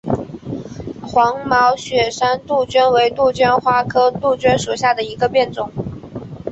黄毛雪山杜鹃为杜鹃花科杜鹃属下的一个变种。